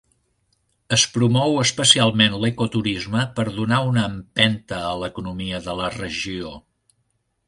Es promou especialment l'ecoturisme per donar una empenta a l'economia de la regió.